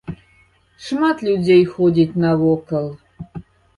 Шмат людзей ходзіць навокал.